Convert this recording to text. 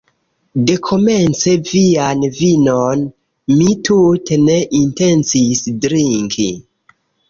Dekomence vian vinon mi tute ne intencis drinki!